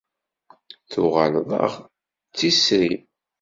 Tuɣaleḍ-aɣ d tisri.